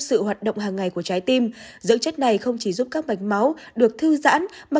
sự hoạt động hàng ngày của trái tim dưỡng chất này không chỉ giúp các mạch máu được thư giãn mà